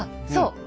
そう。